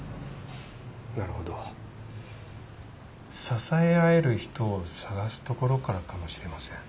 支え合える人を探すところからかもしれません。